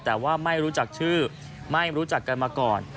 แต่ว่าไม่รู้จักชื่อไม่รู้จักกันมาก่อน